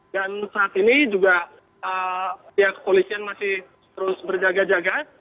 dan saat ini juga pihak kepolisian masih terus berjaga jaga